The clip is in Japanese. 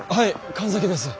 神崎です！